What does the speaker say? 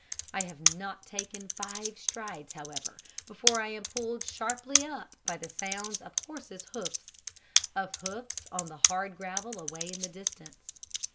I have not taken five strides, however, before I am pulled sharply up by the sounds of horse's hoofs of hoofs on the hard gravel, away in the distance.